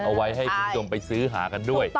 เอาไว้ให้คุณผู้ชมไปซื้อหากันด้วย